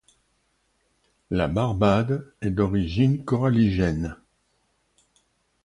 La Barbade est d’origine coralligène.